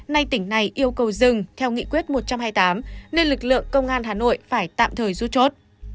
nay tỉnh này yêu cầu dừng theo nghị quyết một trăm hai mươi tám nên lực lượng công an hà nội phải tạm thời rút chốt